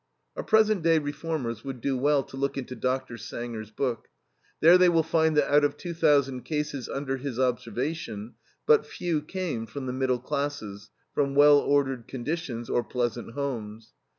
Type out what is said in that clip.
" Our present day reformers would do well to look into Dr. Sanger's book. There they will find that out of 2,000 cases under his observation, but few came from the middle classes, from well ordered conditions, or pleasant homes.